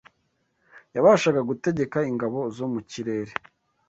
Yabashaga gutegeka ingabo zo mu kirere,